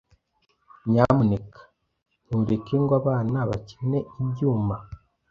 Nyamuneka ntureke ngo abana bakine ibyuma.